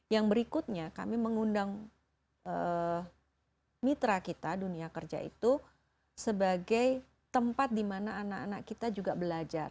yang berikutnya kami mengundang mitra kita dunia kerja itu sebagai tempat di mana anak anak kita juga belajar